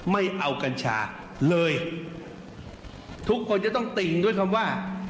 ไม่เอากัญชาเลยทุกคนจะต้องติ่งด้วยคำว่า